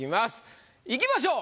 いきましょう。